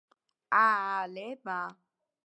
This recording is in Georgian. აალება